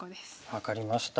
分かりました。